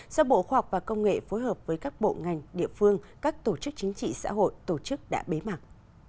do bộ khoa học và công nghệ phối hợp với các bộ ngành địa phương các tổ chức chính trị xã hội tổ chức đã bế mạc